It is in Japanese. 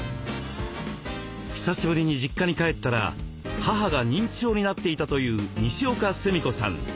久しぶりに実家に帰ったら母が認知症になっていたというにしおかすみこさん。